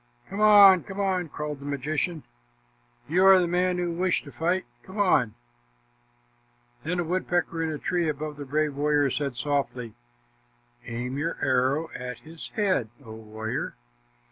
"Come on, come on," called the magician. "You are the man who wished to fight. Come on." Then a woodpecker in a tree above the brave warrior said softly, "Aim your arrow at his head, O warrior!